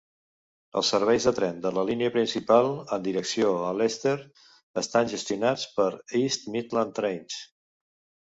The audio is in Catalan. Els serveis de tren de la línia principal en direcció a Leicester estan gestionats per East Midlands Trains.